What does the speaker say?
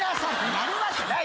やるわけない！